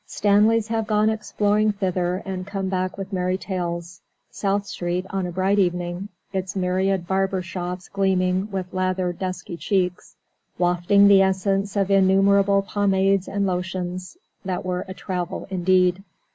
Stanleys have gone exploring thither and come back with merry tales. South Street on a bright evening, its myriad barber shops gleaming with lathered dusky cheeks, wafting the essence of innumerable pomades and lotions, that were a Travel indeed.